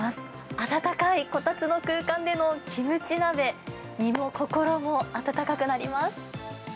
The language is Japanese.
温かいこたつの空間でのキムチ鍋、身も心も温かくなります。